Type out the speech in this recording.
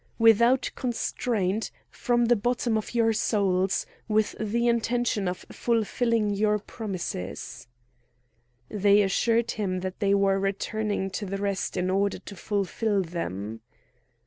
"Without constraint, from the bottom of your souls, with the intention of fulfilling your promises?" They assured him that they were returning to the rest in order to fulfil them.